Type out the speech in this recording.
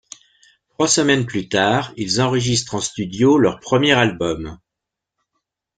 Trois semaines plus tard, ils enregistrent en studio leur premier album.